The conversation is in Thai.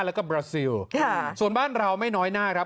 แล้วก็บราซิลส่วนบ้านเราไม่น้อยหน้าครับ